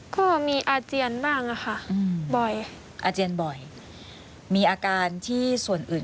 ก็มีอาเจียนบ้างค่ะบ่อย